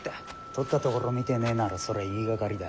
とったところを見てねえならそれは言いがかりだ。